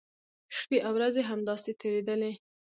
شپی او ورځې همداسې تېریدلې.